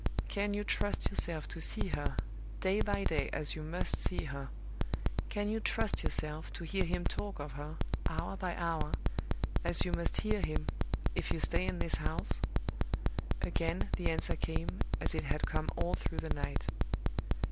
"Can you trust yourself to see her, day by day as you must see her can you trust yourself to hear him talk of her, hour by hour, as you must hear him if you stay in this house?" Again the answer came, as it had come all through the night.